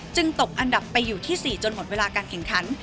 ตกอันดับไปอยู่ที่๔จนหมดเวลาการแข่งขัน